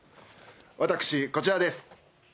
私、こちらです。